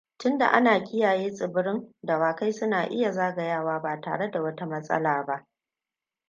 Tunda ana kiyaye tsibirin, dawakai suna iya zagayawa ba tare da wata matsala ba.